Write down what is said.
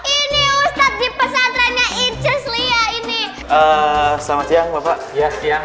ini ustadz pesantrennya itus lia ini sama siang bapak ya siang